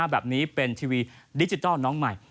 แบบนี้เป็นทีวีดิจิทัลน้องใหม่